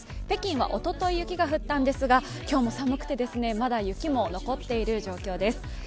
北京はおととい、雪が降ったんですが今日も寒くてまだ雪も残っている状況です。